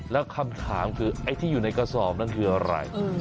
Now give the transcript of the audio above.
แล้วคำถามคือไอ้ที่อยู่ในกระสอบนั้นคืออะไร